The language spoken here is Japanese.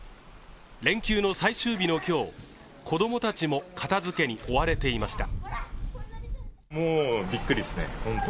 連休の最終日の今日子供たちも片づけに追われていました。